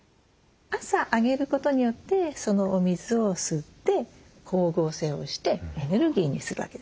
朝あげることによってそのお水を吸って光合成をしてエネルギーにするわけです。